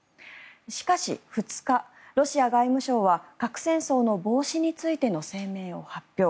しかし２日、ロシア外務省は核戦争の防止についての声明を発表。